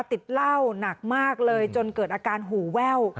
ติดเหล้าหนักมากเลยจนเกิดอาการหูแว่ว